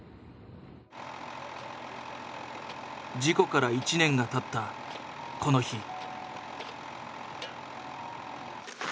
事故から１年がたったこの日。